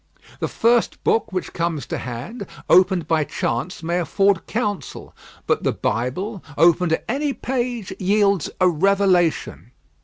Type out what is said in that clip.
The first book which comes to hand, opened by chance may afford counsel; but the Bible, opened at any page, yields a revelation.